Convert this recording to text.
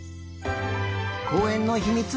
こうえんのひみつ